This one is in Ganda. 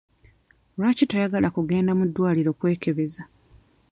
Lwaki toyagala kugenda mu ddwaliro kwekebeza?